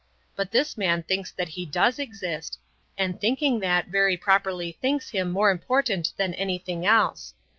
But this man thinks that He does exist, and thinking that very properly thinks Him more important than anything else.